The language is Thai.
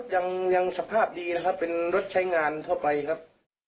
รถยังสภาพดีเป็นรถใช้งานทั่วไปครับ